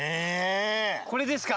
これですか？